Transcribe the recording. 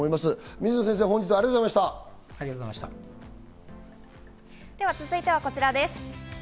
水野先生、本日はでは続いてはこちらです。